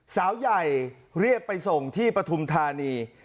สาวใหญ่เรียกไปส่งที่ปฐุมธานี